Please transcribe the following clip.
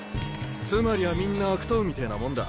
つまりはみんな悪党みてぇなもんだ。